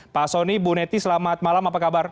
pak soni bu neti selamat malam apa kabar